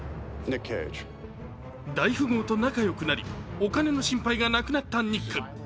大富豪と仲よくなりお金の心配が亡くなったニック。